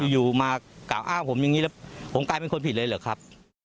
อยู่มากล่าวอ้างผมอย่างนี้แล้วผมกลายเป็นคนผิดเลยเหรอครับ